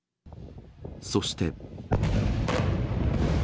そして。